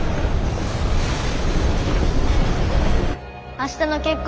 明日の結婚